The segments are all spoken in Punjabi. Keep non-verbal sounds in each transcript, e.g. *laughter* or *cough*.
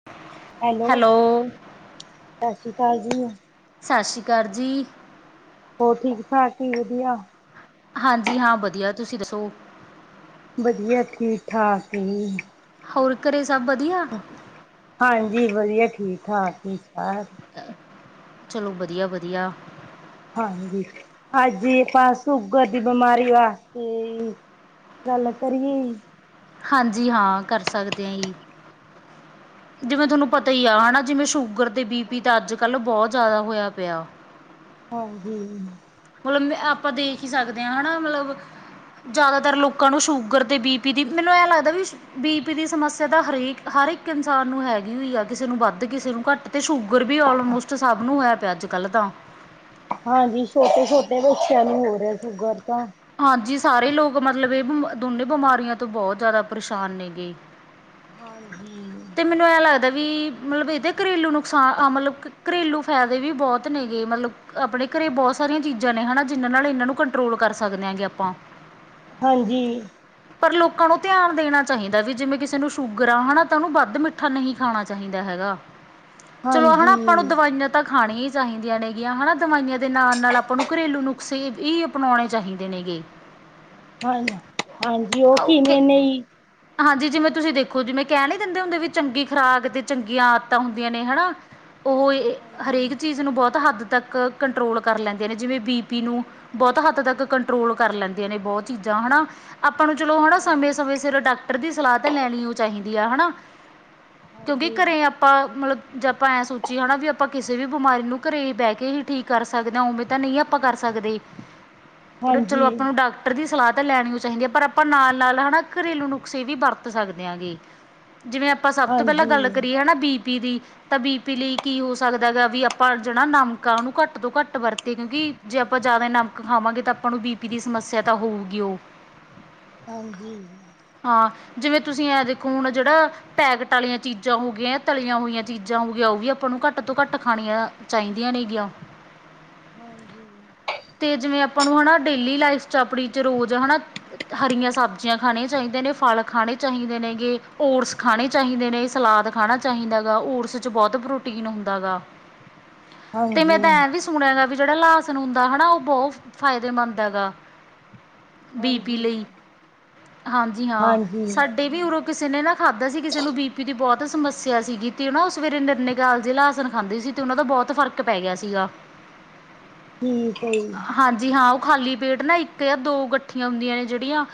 *unintelligible* ਹੈਲੋ, ਸਸ ਸ਼੍ਰੀ ਅਕਾਲ ਜੀ। ਸਸ ਸ਼੍ਰੀ ਕਾਰ ਜੀ। ਹੋਰ ਠੀਕ-ਠਾਕ ਈ ਵਧੀਆ? ਹਾਂਜੀ, ਹਾਂ ਵਧੀਆ ਤੁਸੀਂ ਦੱਸੋ? ਵਧੀਆਂ ਠੀਕ ਠਾਕ ਐ ਜੀ। ਹੋਰ ਕਰੇਂ ਸਭ ਵਧੀਆਂ? ਹਾਂਜੀ, ਵਧੀਆਂ ਠੀਕ ਠਾਕ ਕੀ ਸਾਰ ਚਲੋਂ ਵਧੀਆਂ ਵਧੀਆਂ। ਹਾਂਜੀ, *unintelligible* ਸ਼ੂਗਰ ਦੀ ਬਿਮਾਰੀ ਵਾਸਤੇ ਗੱਲ ਕਰੀਂ ਹਾਂਜੀ, ਹਾਂ ਕਰ ਸੱਕਦੇ ਹਾਂ ਈ। ਜਿਵੇਂ ਠੀਕ ਤੁਹਾਨੂੰ ਹੈ ਪਤਾ ਜੀ ਹੀ ਆਂ ਹਨਾ ਜਿਵੇਂ ਸ਼ੂਗਰ ਤੇ ਬੀ ਪੀ ਤਾਂ ਅੱਜ ਕੱਲ੍ਹ ਬਹੁਤ ਜ਼ਿਆਦਾ ਹੋਇਆਂ ਪਿਆ। ਹਾਂਜੀ। ਮਲਬ ਆਪਾਂ ਦੇਖ ਹੀ ਸਕਦੇ ਹਾਂ ਹਨਾਂ ਮਲਬ ਜ਼ਿਆਦਾਤਰ ਲੋਕਾਂ ਨੂੰ ਸ਼ੂਗਰ ਤੇ ਬੀ-ਪੀ ਦੀ ਮੈਨੂੰ ਐ ਲੱਗਦਾ ਵੀ ਬੀ-ਪੀ ਦੀ ਸਮੱਸਿਆ ਤਾਂ ਹਰੇਕ ਹਰ ਇੱਕ ਇਨਸਾਨ ਨੂੰ ਹੈਂਗੀ ਉ ਆ ਕਿਸੇ ਨੂੰ ਵੱਧ ਕਿਸੇ ਨੂੰ ਘੱਟ ਤੇ, ਸ਼ੂ ਗੁਰ ਵੀ ਆਲਮੋਸਟ ਸਭ ਨੂੰ ਹੋਇਆਂ ਪਿਆ ਅੱਜ-ਕੱਲ੍ਹ ਤਾਂ। ਹਾਂਜੀ, ਛੋਟੇ ਛੋਟੇ ਬੱਚਿਆਂ ਨੂੰ ਹੋ ਰਿਹਾਂ ਸ਼ੂਗਰ ਤਾਂ। ਹਾਂਜੀ, ਸਾਰੇ ਲੋਕ ਮਤਲਬ ਇਹ ਬ ਦੋਨੇ ਬਿਮਾਰੀਆਂ ਤੋਂ ਬਹੁਤ ਜ਼ਿਆਦਾ ਪਰੇਸ਼ਾਨ ਨੇ ਗੇ। ਹਾਂਜੀ। ਮੈਨੂੰ ਇਹ ਲੱਗਦਾ ਵੀ ਮਲਬ ਇਹਦੇ ਘਰੇਲੂ ਨੁਕਸਾਨ ਅ ਮਲਬ ਘਰੇਲੂ ਫ਼ਾਇਦੇ ਵੀ ਬਹੁਤ ਨੇਗੇ ਮਲਬ ਆਪਣੇਂ ਘਰੇ ਬਹੁਤ ਸਾਰੀਆਂ ਚੀਜ਼ਾਂ ਨੇ ਹਨਾਂ ਜਿਹਨਾਂ ਨਾਲ ਇਹਨਾਂ ਨੂੰ ਕੰਟਰੋਲ ਕਰ ਸੱਕਨੇ ਹਾਂਗੇ ਆਪਾਂ। ਹਾਂਜੀ। ਪਰ ਲੋਕਾਂ ਨੂੰ ਧਿਆਂਨ ਦੇਣਾਂ ਚਾਹੀਂਦਾ ਵੀ ਜਿਵੇਂ ਕਿਸੇ ਨੂੰ ਸ਼ੂਗਰ ਆ ਹਨਾ। ਤਾਂ ਉਣੁ ਵੱਧ ਮਿੱਠਾ ਨਹੀਂ ਖਾਣਾਂ ਚਾਹੀਦਾਂ ਹੈਗਾ, ਚਲੋ ਹਾ ਆਪਾਂ ਨੂੰ ਹਾਂਜੀ ਦਵਾਈਆਂ ਤਾਂ ਖਾਣੀਆਂ ਚਾਹੀਦੀਆਂ ਨੇਗੀਆਂ ਹਨਾ ਦਵਾਈਆਂ ਦੇ ਨਾਲ ਨਾਲ ਆਪਾਂ ਨੂੰ ਘਰੇਲੂ ਨੁਸਖੇ ਹੀ ਅਪਣਾਉਣੇ ਚਾਹੀਦੇ ਨੇ ਗੇ। ਹਾਂ, ਹਾਂਜੀ ਉਹ ਕਿਵੇਂ ਓਕੇ ਨਯੀ ਹਾਂਜੀ ਜਿਵੇਂ ਤੁਸੀਂ ਦੇਖੋ ਜਿਵੇਂ ਕਹਿ ਨੀ ਦਿੰਦੇ ਹੁੰਦੇ ਵੀ ਚੰਗੀ ਖੁਰਾਕ ਤੇ ਚੰਗੀਆਂ ਆਦਤਾਂ ਹੁੰਦੀਆਂ ਨੇ ਹਨਾਂ। ਉਹ ਹਾਂਜੀ ਹਰੇਕ ਚੀਜ਼ ਨੂੰ ਬਹੁਤ ਹੱਦ ਤੱਕ ਕੰਟਰੋਲ ਕਰ ਲੈਂਦੇ ਨੇ ਜਿਵੇਂ ਬੀ-ਪੀ ਨੂੰ। ਬਹੁਤ ਹੱਦ ਤੱਕ ਕੰਟਰੋਲ ਕਰ ਲੈਂਦੇ ਨੇ ਬਹੁਤ ਚੀਜ਼ਾਂ ਹਨਾਂ। ਆਪਾਂ ਨੂੰ ਚਲੋ ਹਨਾ ਹਾਂਜੀ ਸਮੇਂ ਸਮੇਂ ਸਿਰ ਡਾਕਟਰ ਦੀ ਸਲਾਹ ਤਾਂ ਲੈਣੀ ਉ ਚਾਹੀਦੀ ਆ ਹਨਾਂ। ਕਿਉਂਕਿ ਹਾਂਜੀ ਘਰੇਂ ਆਪਾਂ ਮਤਲਬ ਜੇ ਆਪਾਂ ਐਂ ਸੋਚੀਏ ਹਨਾ ਵੀ ਆਪਾਂ ਕਿਸੇਂ ਵੀ ਬਿਮਾਰੀ ਨੂੰ ਕਰੇਂ ਬਹਿ ਕੇ ਹੀ ਠੀਕ ਕਰ ਸਕਦੇ ਹਾਂ ਉਵੇਂ ਤਾਂ ਨਹੀਂ ਆਪਾਂ ਕਰ ਸਕਦੇ। *inaudible* ਪਰ ਚਲੋਂ ਹਾਂਜੀ ਆਪਾਂ ਨੂੰ ਡਾਕਟਰ ਦੀ ਸਲਾਹ ਤਾਂ ਲੈਂਣੀ ਚਾਹੀਦੀ ਆ ਪਰ ਆਪਾਂ ਨਾਲ ਨਾਲ ਹਨਾ ਘਰੇਲੂ ਨੁਕਸੇ ਵੀ ਵਰਤ ਸਕਦੇ ਹਾਂਗੇ, ਜਿਵੇ ਅਪ ਪਰ ਸਭ ਤੋਂ ਹਾਂਜੀ, ਪਹਿਲਾਂ ਗੱਲ ਕਰੀਏ ਹਨਾ ਬੀ-ਪੀ ਦੀ। ਤਾਂ ਬੀ-ਪੀ ਲਈ ਕੀ ਹੋ ਸਕਦਾ ਗਾ ਵੀ ਆਪਾਂ ਜਿਹੜਾ ਨਮਕ ਆ ਉਹਨੂੰ ਘੱਟ ਤੋਂ ਘੱਟ ਵਰਤੇ ਕਿਉਂਕਿ ਜੇ ਆਪਾਂ ਜ਼ਿਆਦਾ ਨਮਕ ਖਾਵਾਂਗੇ ਤਾਂ ਆਪਾਂ ਨੂੰ ਬੀ-ਪੀ ਦੀ ਸਮੱਸਿਆ ਤਾਂ ਹੋਊਗੀ ਉਹ। ਹਾਂਜੀ। ਹਾਂ ਜਿਵੇਂ ਤੁਸੀਂ ਐ ਦੇਖੋਂ ਹੁਣ ਜਿਹੜਾ ਪੈਕਟ ਵਾਲੀਆਂ ਚੀਜ਼ਾਂ ਹੋ ਗਈਆਂ ਤਲੀਆਂ ਹੋਈਆਂ ਚੀਜ਼ਾਂ ਹੋ ਗਈਆਂ ਉਹ ਵੀ ਆਪਾਂ ਨੂੰ ਘੱਟ ਤੋਂ ਘੱਟ ਖਾਣੀਆਂ ਚਾਹੀਦੀਆਂ ਨੀਗੀਆਂ। ਹਾਂਜੀ। ਤੇ ਜਿਵੇਂ ਆਪਾਂ ਨੂੰ ਹਨਾ ਡੇਲੀ ਲਾਈਫ਼ ਚ ਆਪਣੀਂ ਚ ਰੋਜ਼ ਹਨਾ ਹਰੀਆਂ ਸਬਜ਼ੀਆਂ ਖਾਣੀਆਂ ਚਾਹੀਦੇ ਨੇ, ਫਲ ਖਾਣੇ ਚਾਹੀਦੇ ਨੇ ਗੇ, ਓਟਸ ਖਾਣੇ ਚਾਹੀਦੇ ਨੇ, ਸਲਾਦ ਖਾਣਾ ਚਾਹੀਂਦਾ ਓਟਸ ਚ ਬਹੁਤ ਪ੍ਰੋਟੀਨ ਹੁੰਦਾਂ ਗਾ। *inaudible* ਤੇ ਮੈਂ ਤਾਂ ਹਾਂਜੀ, ਐਵੀ ਸੁਣਿਆ ਹੈਗਾ ਵੀ ਜਿਹੜਾ ਲਾਸਨ ਹੁੰਦਾ, ਹਨਾਂ ਉਹ ਬਹੁਤ ਫਾਇਦੇਮੰਦ ਹੈਗਾ ਬੀ ਬੀ ਪੀ ਹਾਂਜੀ, ਲਈ, ਹਾਂਜੀ ਹਾਂ ਹਾਂਜੀ ਸਾਡੇ ਵੀ ਉਰੋਂ ਕਿਸੇਂ ਨੇ ਨਾ ਖਾਂਦਾ ਸੀ, ਕਿਸੇਂ ਨੂੰ ਬੀ ਪੀ ਦੀ ਬਹੁਤ ਬਹੁਤ ਸਮੱਸਿਆ ਸੀਗੀ, ਤੇ ਨਾ ਉਹ ਸਵੇਰੇ ਨਿਰਨੇ ਕਾਲਜੇ ਲਾਸਣ ਖਾਂਦੇ ਸੀ, ਤੇ ਉਹਨਾਂ ਦਾ ਬਹੁਤ ਫ਼ਰਕ ਪੈ ਗਿਆ ਸੀਗਾ ਠੀਕ ਏਂ। ਹਾਂਜੀ ਹਾਂ ਉਹ ਖਾਲੀ ਪੇਟ ਨਾ ਇੱਕ ਜਾ ਦੋ ਗੱਡੀਆਂ ਹੁੰਦੀਆਂ ਨੇ ਜਿਹੜੀਆਂ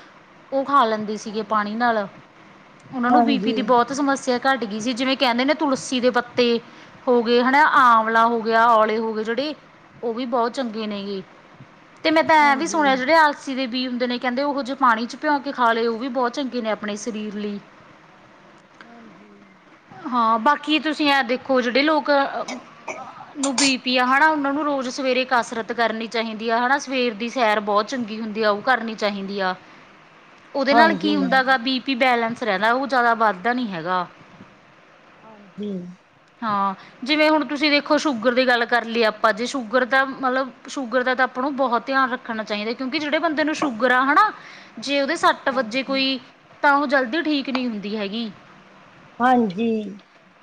ਉਹ ਖਾਂ ਲੈਂਦੇ ਸੀਗੇ ਹਾਂਜੀ, ਪਾਣੀ ਨਾਲ, ਉਹਨਾਂ ਨੂੰ ਬੀ ਪੀ ਹਾਂਜੀ, ਦੀ ਬਹੁਤ ਸਮੱਸਿਆ ਘੱਟ ਗੀ ਸੀ। ਜਿਵੇਂ ਕਹਿੰਦੇ ਨੇ ਤੁਲਸੀ ਦੇ ਪੱਤੇ ਹੋ ਗਏ ਹਨਾ, ਆਵਲਾ ਹੋ ਗਿਆ ਔਲੇ ਹੋ ਗਏ ਜਿਹੜੇ ਉਹ ਵੀ ਬਹੁਤ ਚੰਗੇ ਨੇ ਗੇ ਤੇ, ਮੈਂ ਤਾਂ ਐ ਵੀ ਹਾਂਜੀ, ਸੁਣਿਆ ਜਿਹੜੇ ਅਲਸੀ ਦੇ ਬੀਅ ਹੁੰਦੇ ਨੇ ਕਹਿੰਦੇ ਉਹ ਜੋ ਪਾਣੀ ਚ ਭਿਉ ਕੇ ਖਾ ਲੇ, ਉਹ ਵੀ ਬਹੁਤ ਚੰਗੇ ਨੇ ਆਪਣੇ ਸ਼ਰੀਰ ਲਈ ਲ਼ਓ ਜੀ‌। ਹਾਂ ਬਾਕੀ ਤੁਸੀਂ ਐਹ ਦੇਖੋਂ ਜਿਹੜੇ ਲੋਕ ਨੂੰ ਬੀ ਪੀ ਹਨਾ ਉਹਨਾਂ ਨੂੰ ਰੋਜ਼ ਸਵੇਰੇ ਕਸਰਤ ਕਰਨੀ ਚਾਹੀਦੀ, ਹਨਾ ਸਵੇਰ ਦੀ ਸੈਰ ਬਹੁਤ ਚੰਗੀ ਹੁੰਦੀ ਆ, ਉਹ ਕਰਨੀ ਚਾਹੀਦੀ ਆ *inaudible* ਉਹਦੇ ਨਾਲ ਕੀ ਹਾਂਜੀ, ਹੁੰਦਾ ਹੈਗਾ, ਬੀ ਪੀ ਬੈਲੈਂਸ ਰਹਿੰਦਾ, ਉਹ ਜ਼ਿਆਦਾ ਵੱਧਦਾ ਨੀ ਹੈਗਾ ਹਾਂਜੀ। ਹਾਂ, ਜਿਵੇਂ ਹੁਣ ਤੁਸੀਂ ਦੇਖੋ ਸ਼ੂਗਰ ਦੀ ਗੱਲ ਕਰ ਲਈਏ ਆਪਾਂ ਜੇ ਸ਼ੂਗਰ ਤਾਂ ਮਤਲਬ ਸ਼ੂਗਰ ਦਾ ਤਾਂ ਆਪਾਂ ਨੂੰ ਬਹੁਤ ਧਿਆਨ ਰੱਖਣਾ ਚਾਹੀਦਾ ਕਿਉਂਕਿ ਜਿਹੜੇ ਬੰਦੇ ਨੂੰ ਸ਼ੂਗਰ ਆ ਹਨਾ ਜੇ ਉਹਦੇ ਸ ਸੱਟ ਵੱਜੇ ਹਾਂਜੀ, ਕੋਈ, ਤਾਂ ਉਹ ਜਲਦੀ ਠੀਕ ਨੀਂ ਹੁੰਦੀ ਹੈਗੀ ਹਾਂਜੀ।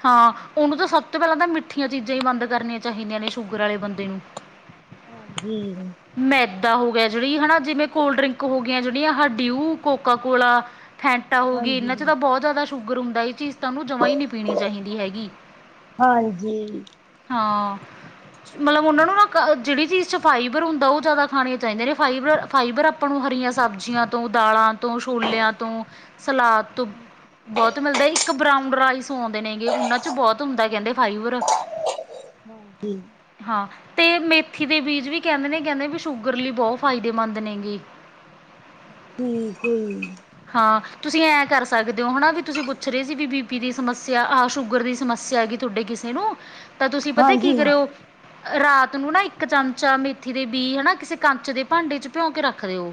ਹਾਂ ਉਹਨੂੰ ਤਾਂ ਸਭ ਤੋਂ ਪਹਿਲਾਂ ਤਾਂ ਮਿੱਠੀਆਂ ਚੀਜ਼ਾਂ ਹੀ ਬੰਦ ਕਰਨੀਆਂ ਚਾਹੀਦੀਆਂ ਨੇ, ਸ਼ੂਗਰ ਵਾਲੇ ਬੰਦੇ ਨੂੰ ਹਾਂਜੀ ਮੈਦਾ ਹੋ ਗਿਆ, ਜਿਹੜੀ ਹਨਾ ਜਿਵੇਂ ਕੋਲਡ ਡਰਿੰਕ ਹੋਗੀਆਂ ਜਿਹੜੀਆਂ ਡਿਊ, ਕੋਕਾ ਕੋਲਾ ਫੈਂਟਾ ਹੋ ਗਈ, ਇਹਨਾਂ ਚ ਹਾਂਜੀ, ਤਾਂ ਬਹੁਤ ਜ਼ਿਆਦਾ ਸ਼ੂਗਰ ਹੁੰਦਾ ਇਹ ਚੀਜ਼ ਉਹਨੂੰ ਜਮਾ ਹੀ ਨੀਂ ਪੀਨੀ ਚਾਹੀਦੀ ਹੈਗੀ, ਹਾਂਜੀ, ਹਾਂ ਮਤਲਬ ਉਹਨਾਂ ਨੂੰ ਨਾ ਜਿਹੜੀ ਚੀਜ਼ ਚ ਫਾਈਬਰ ਹੁੰਦਾ ਉਹ ਜ਼ਿਆਦਾ ਖਾਣੀਆਂ ਚਾਹੀਦੀਆਂ ਨੇ ਫਾਈਬਰ -ਫਾਈਬਰ ਆਪਾਂ ਨੂੰ ਹਰੀਆਂ ਸਬਜ਼ੀਆਂ ਤੋਂ, ਦਾਲਾਂ ਤੋਂ, ਛੋਲਿਆਂ ਤੋਂ, ਸਲਾਦ ਤੋਂ ਬਹੁਤ ਮਿਲਦਾ ਇੱਕ ਬਰਾਓ ਰਾਈਸ ਆਉਦੇ ਨੇ ਗੇ, ਉਹਨਾਂ ਚ ਬਹੁਤ ਹੁੰਦਾ ਕਹਿੰਦੇ ਫਾਈਬਰ। ਹਾਂਜੀ ਹਾਂ, ਤੇ ਮੇਥੀ ਦੇ ਬੀਜ ਵੀ ਕਹਿੰਦੇ ਨੇ ਕਹਿੰਦੇ ਵੀ ਸ਼ੂਗਰ ਲਈ ਬਹੁਤ ਫਾਇਦੇਮੰਦ ਨੇ ਗੇ ਠੀਕ ਹੋਈ ਹਾਂ, ਤੁਸੀਂ ਐਂ ਕਰ ਸਕਦੇ ਹੋ ਹਨਾ ਵੀ ਤੁਸੀਂ ਪੁੱਛ ਰੇ ਸੀ, ਬੀ ਪੀ ਬੀਪੀੀ ਦੀ ਸਮੱਸਿਆ ਆਹ ਸ਼ੂਗਰ ਦੀ ਸਮੱਸਿਆ ਹੈਗੀ ਤੁਹਾਡੇ ਕਿਸੇ ਨੂੰ ਤਾਂ ਤੁਸੀਂ ਪਤਾ ਕੀ ਜੀ, ਹਾਂਜੀ ਕਰਿਓ ਰਾਤ ਨੂੰ ਨਾ ਇੱਕ ਚਮਚਾ ਮੇਥੀ ਦੇ ਬੀਅ ਹਨਾ ਕਿਸੇ ਕਚ ਦੇ ਭਾਂਡੇ ਚ ਭਿਉਂ ਕੇ ਰੱਖ ਦਿਓ।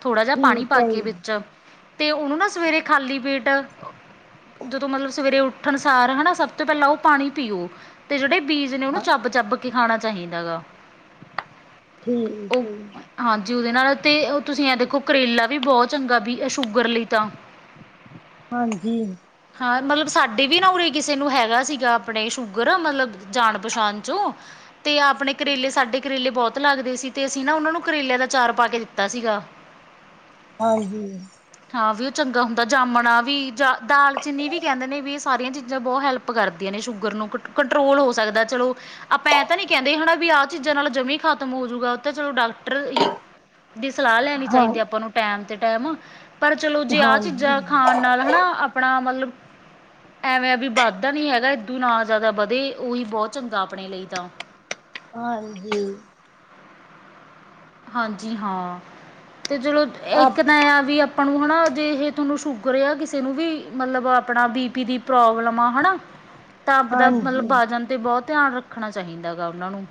ਥੋੜਾ ਜਾ ਪਾਣੀ ਠੀਕ ਪਾ ਹੈ ਕੇ ਜੀ, ਵਿੱਚ ਤੇ ਉਹਨੂੰ ਨਾ ਸਵੇਰੇ ਖਾਲੀ ਪੇਟ ਜਦੋਂ ਮਤਲਬ ਸਵੇਰੇ ਉੱਠਣ ਸਾਰ ਹਨਾ ਸਭ ਤੋਂ ਪਹਿਲਾਂ ਉਹ ਪਾਣੀ ਪੀਓ ਤੇ ਜਿਹੜੇ ਬੀਜ ਨੇ ਉਹਨੂੰ ਹਾਂ ਚੱਬ-ਚੱਬ ਕੇ ਖਾਣਾ ਚਾਹੀਦਾ ਹੈਗਾ ਠੀਕ ਹਾਂਜੀ ਉਹਦੇ ਨਾਲ ਤੇ, ਓ ਤੁਸੀਂ ਐ ਦੇਖੋ ਕਰੇਲਾ ਵੀ ਬਹੁਤ ਚੰਗਾ ਬੀ ਇਹ ਸ਼ੂਗਰ ਲਈ ਤਾਂ ਹਾਂਜੀ। ਹਾਂ, ਮਤਲਬ ਸਾਡੇ ਵੀ ਨਾ ਉਰੇ ਕਿਸੇ ਨੂੰ ਹੈਗਾ ਸੀਗਾ ਆਪਣੇ ਸ਼ੂਗਰ ਮਤਲਬ ਜਾਨ ਪਛਾਣ ਚੋ ਤੇ ਆਪਣੇ ਕਰੇਲੇ ਸਾਡੇ ਕਰੇਲੇ ਬਹੁਤ ਲੱਗਦੇ ਸੀ। ਤੇ ਅਸੀਂ ਓਨਾਂ ਨੂੰ ਕਰੇਲਿਆਂ ਦਾ ਚਾਰ ਪਾ ਕੇ ਦਿੱਤਾ ਸੀਗਾ। ਹਾਂਜੀ ਹਾਂ, ਵਿਊ ਚੰਗਾ ਹੁੰਦਾ ਜਾਮਣਾ ਵੀ ਦਾਲ ਚੀਨੀ ਵੀ ਕਹਿੰਦੇ ਨੇ ਵੀ ਏ ਸਾਰੀਆਂ ਚੀਜ਼ਾਂ ਬੋਤ ਹੈਲਪ ਕਰਦੀਆਂ ਨੇ ਸ਼ੂਗਰ ਨੂੰ ਕੰ-ਕੰਟਰੋਲ ਹੋ ਸਕਦਾ ਚਲੋ ਆਪਾਂ ਐ ਤਾਂ ਨੀ ਕਹਿੰਦੇ ਹਨਾ ਵੀ ਆਹ ਚੀਜ਼ਾਂ ਨਾਲ ਜਮੀ ਖਤਮ ਹੋਜੂਗਾ ਓ ਤੇ ਚਲੋ ਡਾਕਟਰ ਹੀ ਦੀ ਸਲਾਹ ਲੈਣੀ ਹਾਂ, ਚਾਹੀਦੀ ਆਪਾਂ ਨੂੰ ਟੈਮ ਤੇ ਟੈਮ ਪਰ ਚਲੋ ਜੇ ਆਹ ਹਾਂਜੀ, ਚੀਜ਼ਾਂ ਖਾਣ ਨਾਲ ਹਨਾ ਆਪਣਾ ਮਤਲਬ ਐਵੇਂ ਆ ਵੀ ਵੱਧਦਾ ਨੀ ਹੈਗਾ ਇੱਦੋਂ ਨਾ ਜਿਆਦਾ ਵਧੇ ਓਹੀ ਬੋਤ ਚੰਗਾ ਆਪਣੇ ਲਈ ਤਾਂ ਹਾਂਜੀ ਹਾਂਜੀ ਹਾਂ, ਤੇ ਚਲੋ ਇੱਕ ਆਪ ਤਾਂ ਐ ਆ ਵੀ, ਆਪਾਂ ਨੂੰ ਹਨਾ ਜੇ ਇਹ ਤੁਹਾਨੂੰ ਸ਼ੂਗਰ ਆ ਕਿਸੇ ਨੂੰ ਵੀ ਮਤਲਬ ਆਪਣਾ ਬੀ ਪੀ ਦੀ ਪ੍ਰੋਬਲਮ ਆ ਹਨਾ। *inaudible* ਤਾਂ ਆਪ ਦਾ ਮਤਲਬ ਹਾਂਜੀ, ਬਾਜਨ ਤੇ ਬੋ ਧਿਆਨ ਰੱਖਣਾ ਚਾਹੀਦਾ ਗਾ ਓਨਾਂ ਨੂੰ।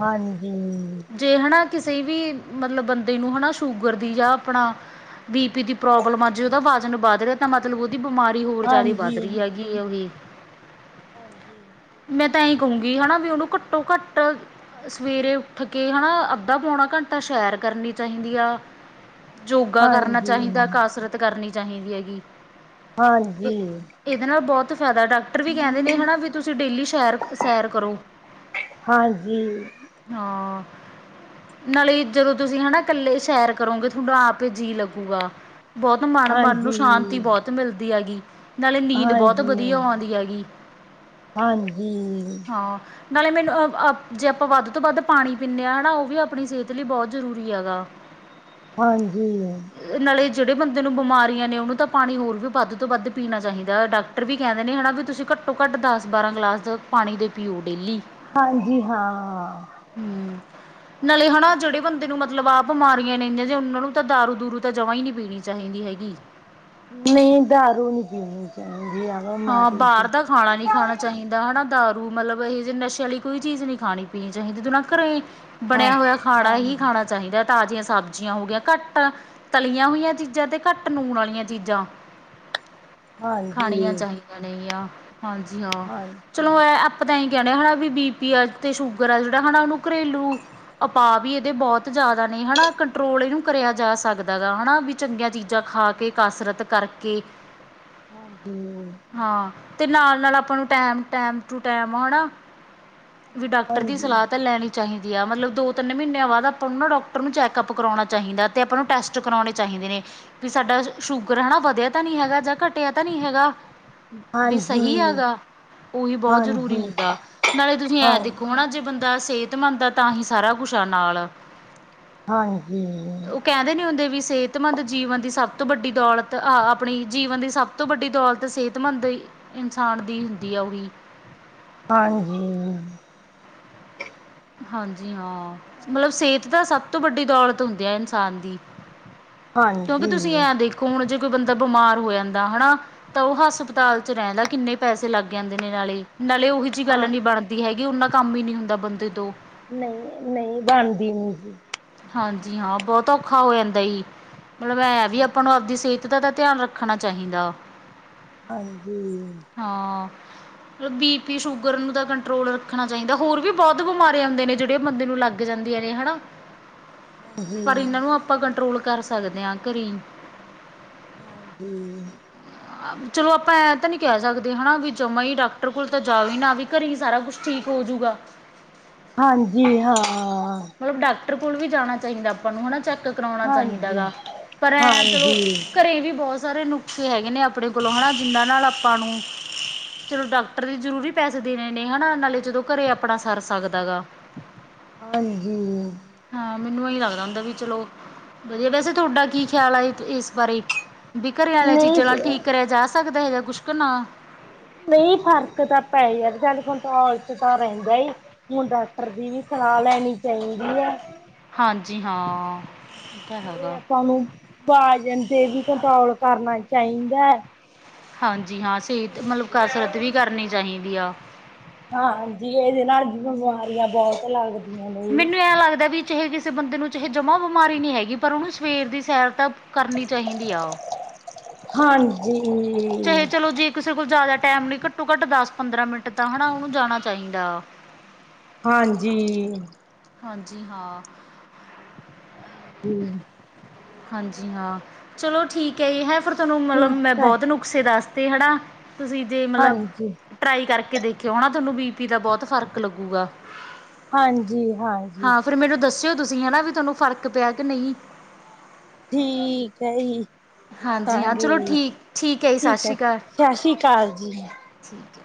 ਹਾਂਜੀ। ਜੇ ਹਨਾ ਕਿਸੇ ਵੀ ਮਤਲਬ ਬੰਦੇ ਨੂੰ ਹਨਾ ਸ਼ੂਗਰ ਦੀ ਜਾਂ ਆਪਣਾ। ਬੀ ਪੀ ਦੀ ਪ੍ਰੋਬਲਮ ਜੇ ਓਦਾ ਵਜ਼ਨ ਵੱਧ ਰਿਆ। ਤਾਂ ਮਤਲਬ ਓਦੀ ਬਿਮਾਰੀ ਹੋਰ ਜਿਆਦਾ ਹਾਂਜੀ, ਵੱਧ ਰੀ ਆ ਗੀ ਓਹੀ। ਹਾਂਜੀ। ਮੈਂ ਤਾਂ ਐਈ ਕਹੂੰਗੀ ਹਨਾ ਵੀ ਉਹਨੂੰ ਘੱਟੋ ਘੱਟ ਸਵੇਰੇ। ਉੱਠ ਕੇ ਹਨਾ ਅੱਧਾ ਪੌਣਾ ਘੰਟਾ ਸੈਰ ਕਰਨੀ ਚਾਹੀਦੀ ਆ। ਯੋਗਾ ਕਰਨਾ ਹਾਂਜੀ, ਚਾਹੀਦਾ ਹਾਂਜੀ, ਕਸਰਤ ਕਰਨੀ ਚਾਹੀਦੀ ਆ ਗੀ। ਹਾਂਜੀ। ਏਦੇ ਨਾਲ ਬਹੁਤ ਫਾਇਦਾ ਡਾਕਟਰ ਵੀ ਕਹਿੰਦੇ ਨੇ ਹਨਾ ਵੀ ਤੁਸੀਂ ਡੇਲੀ ਸੈਰ ਸੈਰ ਕਰੋ। ਹਾਂਜੀ। ਹਾਂ। ਨਾਲੇ ਜਦੋਂ ਤੁਸੀਂ ਹਨਾ ਕੱਲੇ ਸੈਰ ਕਰੋਗੇ ਥੋਡਾ ਆਪੇ ਜੀਅ ਲੱਗੂਗਾ। ਬਹੁਤ ਮਨ ਮਨ ਨੂੰ ਹਾਂਜੀ, ਸ਼ਾਂਤੀ ਬਹੁਤ ਮਿਲਦੀ ਆ ਗੀ। ਨਾਲੇ ਨੀਂਦ ਬਹੁਤ ਹਾਂਜੀ, ਵਧੀਆ ਆਉਂਦੀ ਆ ਗੀ ਹਾਂ। ਨਾਲੇ ਮੈਨੂੰ ਜੇ ਆਪਾਂ ਵੱਧ ਤੋਂ ਵੱਧ। ਪਾਣੀ ਪੀਨੇ ਆ ਹਨਾ ਓ ਵੀ ਆਪਣੀ ਸਿਹਤ ਲਈ ਬਹੁਤ ਜ਼ਰੂਰੀ ਆ ਗਾ। ਹਾਂਜੀ। ਨਾਲੇ ਜਿਹੜੇ ਬੰਦੇ ਨੂੰ ਬਿਮਾਰੀਆਂ ਨੇ ਉਹਨੂੰ ਤਾਂ ਪਾਣੀ ਹੋਰ ਵੀ ਵੱਧ ਤੋਂ ਵੱਧ ਪੀਣਾ ਚਾਹੀਦਾ ਡਾ ਡਾਕਟਰ ਵੀ ਕਹਿੰਦੇ ਨੇ ਹਨਾ ਵੀ ਤੁਸੀਂ ਘੱਟੋ ਘੱਟ ਦਸ ਬਾਰਾਂ ਗਲਾਸ ਪਾਣੀ ਦੇ ਪੀਓ ਡੇਲੀ। ਹਾਂਜੀ ਹਾਂ। ਹੂੰ, ਨਾਲੇ ਹਨਾ ਜਿਹੜੇ ਬੰਦੇ ਨੂੰ ਮਤਲਬ ਆਪ ਬਿਮਾਰੀਆਂ ਨੇ ਅਈ ਜਾ ਓਨਾਂ ਨੂੰ ਤਾਂ ਦਾਰੂ ਦੁਰੂ ਤਾਂ ਜਮਾਂ ਈ ਨੀ ਪੀਣੀ ਚਾਹੀਦੀ ਹੈਗੀ। ਨਈ, ਦਾਰੂ ਨੀ ਪੀਣੀ ਚਾਹੀਦੀ। ਹਾਂ ਬਿਮਾਰੀ ਚ ਬਾਰ ਦਾ। ਖਾਣਾ ਨੀ ਖਾਣਾ ਚਾਹੀਦਾ ਹਨਾ ਦਾਰੂ ਮਤਲਬ ਇਹੋ ਜੇ ਨਸ਼ੇ ਆਲੀ ਕੋਈ ਚੀਜ਼ ਨੀ ਖਾਣੀ ਪੀਣੀ ਚਾਹੀਦੀ ਤੂੰ ਨਾ ਘਰੇ। ਹਾਂ, ਬਣਿਆ ਹੋਇਆ ਖਾਣਾ ਈ ਹਾਂਜੀ, ਖਾਣਾ ਚਾਹੀਦਾ ਤਾਜ਼ੀਆਂ ਸਬਜ਼ੀਆਂ ਹੋਗੀਆਂ ਘੱਟ ਤਲੀਆਂ ਹੋਈਆਂ ਚੀਜ਼ਾਂ ਤੇ ਘੱਟ ਲੂਣ ਆਲੀਆਂ ਚੀਜ਼ਾਂ। ਹਾਂਜੀ। *unintelligible* ਹਾਂਜੀ ਹਾਂ। ਚਲੋ ਆਪਾਂ ਤਾਂ ਐਈ ਕਹਿਣੇ ਆ ਵੀ ਬੀ ਪੀ ਆ ਤੇ ਸ਼ੂਗਰ ਆ ਜਿਹੜ ਹਨਾਂ ਓਨੂੰ ਘਰੇਲੂ। ਉਪਾਅ ਵੀ ਐਦੇ ਬਹੁਤ ਜਆਦਾ ਨੇ ਹੈਨਾ ਕੰਟਰੋਲ ਏਹਨੂੰ ਕਰਿਆ ਜਾ ਸਕਦਾ ਗਾ ਹੈਨਾ ਵੀ ਚੰਗੀਆਂ ਚੀਜ਼ਾਂ ਖਾ ਕੇ। ਤੇ ਕਸਰਤ ਕਰਕੇ ਹਾਂਜੀ ਹਾਂ ਤੇ ਨਾਲ-ਨਾਲ ਆਪਾਂ ਨੂੰ ਟੈਮ-ਟੈਮ ਟੂ ਟੈਮ ਆਣਾ ਵੀ ਡਾਕਟਰ ਦੀ ਹਾਂਜੀ, ਸਲਾਹ ਤਾਂ ਲੈਣੀ ਚਾਹੀਦੀ ਆ ਮਤਲਬ ਦੋ-ਤਿੰਨ ਮੀਹਨੇਆਂ ਬਾਦ ਆਪਾਂ ਨੂੰ ਨਾ ਡੋਕਟਰ ਨੂੰ ਚੈੱਕਅਪ ਕਰੋਉਣਾ ਚਾਹੀਦਾ ਤੇ ਆਪਾਂ ਨੂੰ ਟੈਸਟ ਕਰਾਉਣੇ ਚਾਹੀਦੇ ਨੇ ਵੀ ਸਾਡਾ ਸ਼ੂਗਰ ਹੈ ਨਾ ਵਧਆ ਤਾਂ ਨੀ ਹੈਗਾ ਜਾਂ ਘਟਆ ਤਾਂ ਨੀ ਹੈਗਾ। ਵੀ ਹਾਂਜੀ, ਸਹੀ ਹੈਗਾ, ਉਹੀ ਬਹੁਤ ਜ਼ਰੂਰੀ ਹਾਂਜੀ, ਹੁੰਦਾ, ਨਾਲੇ ਤੁਸੀਂ ਐ ਹਾਂ, ਦੇਖੋ ਨਾ ਜੇ ਬੰਦ ਦਾ ਸੇਹਤਮੰਦ ਐ ਤਾਂ ਹੀ ਸਾਰਾ ਕੁਛ ਐ ਨਾਲ ਹਾਂਜੀ ਕੈਹੰਦੇ ਨੀ ਹੁੰਦੇ ਵੀ ਸੇਹਤਮੰਦ ਜੀਵਨ ਦੀ ਸਭ ਤੋਂ ਵੱਡੀ ਦੌਲਤ ਆ, ਆਪਣੀ ਜੀਵਨ ਦੀ ਸਭ ਤੋਂ ਵੱਡੀ ਦੌਲਤ ਤੇ ਸੇਹਤਮੰਦ ਇਨਸਾਨ ਦੀ ਹੁੰਦੀ ਆ ਓ ਵੀ ਹਾਂਜੀ ਹਾਂਜੀ ਹਾਂ, ਮਤਲਬ ਸੇਹਤ ਤਾ ਸਭ ਤੋਂ ਵੱਡੀ ਦੋਲਤ ਹੁੰਦੀ ਐ ਇਨਸਾਨ ਦੀ। ਕਿਉਂਕਿ ਹਾਂਜੀ ਤੁਸੀਂ ਐਂ ਦੇਖੋ ਹੁਣ ਜੇ ਕੋਈ ਬੰਦਾ ਬਿਮਾਰ ਹੋ ਜਾਂਦਾ ਹੈਨਾ ਤਾਂ ਓਹ ਹਸ ਸਪਤਾਲ ਚ ਰੈਹੰਣਾ ਕਿੰਨੇ ਪੈਸੇ ਲੱਗ ਜਾਂਦੇ ਨੇ ਨਾਲੇ-ਨਾਲੇ ਉਹੀ ਜਿਹੀ ਹਾਂ ਗੱਲ ਨੀ ਬਣਦੀ ਦੀ ਹੈਗੀ ਉਨਾ ਕੰਮ ਹੀ ਨੀ ਹੁੰਦਾ ਬੰਦੇ ਤੋਂ ਨਹੀਂ-ਨਹੀਂ ਬਣਦੀ ਨੀ ਜੀ ਹਾਂਜੀ ਹਾਂ ਬਹੁਤ ਧੋਖਾ ਹੋ ਜਾਂਦਾ ਈ, ਮਤਲਬ ਐਵੀ ਹਾਂ ਆਪਾਂ ਨੂੰ ਆਪਦੀ ਸੇਹਤ ਦਾ ਤਾਂ ਧਿਆਨ ਰੱਖ ਰੱਖਣਾ ਚਾਹੀਦਾ ਹਾਂਜੀ ਹਾਂ ਮਤਲਬ ਬੀ ਪੀ, ਸ਼ੂਗਰ ਨੂੰ ਦਾ ਕੰਟਰੋਲ ਰੱਖਣਾ ਚਾਈਦਾ, ਹੋਰ ਵੀ ਬਹੁਤ ਬਿਮਾਰੇ ਆਂਦੇ ਨੇ ਜੇਹੜੇ ਬੰਦੇ ਨੂੰ ਲੱਗ ਲੱਗ ਜਾਂਦੀਆਂ ਨੇ ਹੈਨਾ ਹਾਂਜੀ ਪਰ ਇੱਨਾਂ ਨੂੰ ਆਪਾਂ ਕੰਟਰੋਲ ਕਰ ਸਕਦੇ ਆਂ ਘਰੀ ਹਾਂਜੀ। ਚਲੋ ਆਪਾਂ ਐ ਤਾਂ ਨੀ ਕੈਹ ਸਕਦੇ ਹੈਨਾ ਵੀ ਜਮਾਂ ਹੀ ਡਾਕਟਰ ਕੋਲ ਤਾਂ ਜਾਵੇ ਨਾ ਵੀ ਘਰੇ ਈ ਸਾਰਾ ਕੁਛ ਠੀਕ ਹੋਜੂਗਾ। ਹਾਂਜੀ ਹਾਂ। ਮਤਲਬ ਡਾਕਟਰ ਕੋਲ ਵੀ ਜਾਣਾ ਚਾਹੀਦਾ ਆਪਾਂ ਨੂੰ ਚੈੱਕ ਕਰਾਉਣਾ ਚਾਹੀਦਾ ਹਾਂਜੀ ਗਾ ਪਰ ਐਂ ਚਲੋ ਹਾਂਜੀ ਘਰੇ ਵੀ ਬਹੁਤ ਸਾਰੇ ਨੁਕਸ਼ੇ ਹੈਗੇ ਨੇ ਆਪ ਆਪਣੇ ਕੋਲੋਂ ਹੈਨਾ, ਜਿੱਨਾਂ ਨਾਲ ਆਪਾਂ ਨੂੰ ਚਲੋ ਡਾਕਟਰ ਦੇ ਜ਼ਰੂਰੀ ਪੈਸੇ ਦੇਣੇ ਨੇ ਹੈਨਾ ਨਾਲੇ ਜਦੋਂ ਘਰੇ ਆਪਣਾ ਸਰ ਸਕਦਾ ਗਾ ਹਾਂਜੀ। ਹਾਂ ਮੈਨੂੰ ਏਹੀ ਲੱਗਦਾ ਹੁੰਦਾ ਵੀ ਚਲੋ ਵਧੀਆ ਵੈਸੇ ਤੁਹਾਡਾ ਕੀ ਖਆਲ ਐ ਇਸ ਚੀਜ ਬਾਰੇ ਵੀ ਘਰੇ ਆਲੀਆਂ ਨਹੀਂ ਚੀਜ਼ਾਂ ਨਾਲ ਠੀਕ ਕਰੇਆ ਜਾ ਸਕਦਾ ਹੇਗਾ ਕੁਛ ਕੇ ਨਾ ਨਈ ਫ਼ਰਕ ਤਾਂ ਪੈਈ ਜਾਂਦੈ ਕੰਟਰੋਲ ਤਾ ਰੈਹੰਦਾ ਹੀ ਹੁਣ ਡਾਕਟਰ ਦੀ ਵੀ ਸਲਾਹ ਲੈਣੀ ਚਾਹੀਦੀ ਐ ਹਾਂਜੀ ਹਾਂ ਇਹ ਤਾਂ ਤੇ ਹੈਗਾ ਆਪਾਂ ਨੂੰ ਭਾਜਨ ਤੇ ਵੀ ਕੰਟਰੋਲ ਕਰਨਾ ਚਾਈਂਦੈ ਹਾਂਜੀ ਹਾਂ ਸੇਹਤ ਮਤਲਬ ਕਸਰਤ ਵੀ ਕਰਨੀ ਚਾਹੀਦੀ ਆ ਹਾਂਜੀ ਏਦੇ ਨਾਲ ਬਿਮਾਰੀਆਂ ਬਹੁਤ ਲੱਗਦੀ ਮੈਨੂੰ ਐਂ ਲੱਗਦਾ ਵੀ ਚਾਹੇ ਕਿਸੇ ਬੰਦੇ ਨੂੰ ਚਾਹੇ ਜਮਾ ਬਿਮਾਰੀ ਨੀ ਹੈਗੀ ਪਰ ਓਨੂੰ ਸਵੇਰ ਦੀ ਸੈਰ ਤਾਂ ਕਰਨੀ ਚਾਹੀਦੀ ਆ ਹਾਂਜੀ ਚਾਹੇ ਚਲੋ ਜੇ ਕਿਸੇ ਕੋਲ ਜ਼ਿਆਦਾ ਟੈਮ ਨੀ ਘੱਟੋ-ਘੱਟ ਦਸ, ਪੰਦਰਾਂ ਮਿੰਟ ਤਾਂ ਹੈਨਾ ਉਹਨੂੰ ਜਾਣਾ ਚਾਈਦਾ। ਹਾਂਜੀ ਹਾਂਜੀ ਹਾਂ। ਦੇ ਹਾਂਜੀ ਹਾਂ ਚਲੋ ਠੀਕ ਐ ਹੈਂ ਫਿਰ ਤੈਨੂੰ ਮਤਲਬ ਮੈਂ ਠੀਕ ਹੈ, ਬੋਤ ਨੂੰ ਉਸੇ ਰਸਤੇ ਹੈੜਾ, ਤੁਸੀਂ ਜੇ ਮਤਲਬ ਹਾਂਜੀ, ਟਰਾਈ ਕਰਕੇ ਦੇਖਿਓ ਹਣਾ ਤਾਨੂੰ ਬੀ-ਪੀ ਦਾ ਬੋਤ ਫ਼ਰਕ ਲੱਗੂਗਾ। ਹਾਂਜੀ ਹਾਂ। ਹਾਂ ਫੇਰ ਮੈਨੂੰ ਦੱਸਿਓ ਤੁਸੀਂ ਹਨਾ ਵੀ ਤਾਨੂੰ ਫ਼ਰਕ ਪਿਆ ਕਿ ਨਈ। ਠੀਕ ਹੈ ਜੀ। ਹਾਂਜੀ ਹਾਂ ਚਲੋ ਦੱਸਾਂਗੀ, ਠੀਕ ਜੀ ਸਤਿ ਠੀਕ ਹੈ ਸ਼੍ਰੀ ਅਕਾਲ ਸਸ ਸ੍ਰੀ ਕਾਲ ਜੀ। ਠੀਕ ਐ।